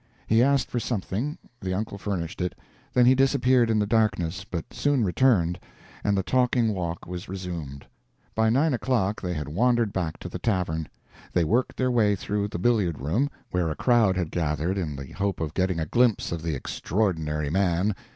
He asked for something the uncle furnished it then he disappeared in the darkness, but soon returned, and the talking walk was resumed. By nine o'clock they had wandered back to the tavern. They worked their way through the billiard room, where a crowd had gathered in the hope of getting a glimpse of the Extraordinary Man.